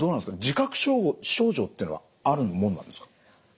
自覚症状っていうのはあるもんなんですか？